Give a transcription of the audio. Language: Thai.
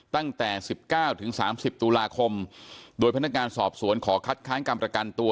ตั้งแต่๑๙ถึง๓๐ตุลาคมโดยพนักงานสอบสวนขอคัดค้างการประกันตัว